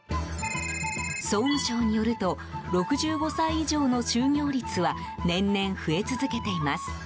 総務省によると６５歳以上の就業率は年々、増え続けています。